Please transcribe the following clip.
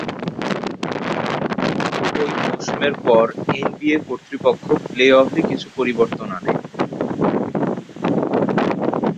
ওই মৌসুমের পর এনবিএ কর্তৃপক্ষ প্লে অফে কিছু পরিবর্তন আনে।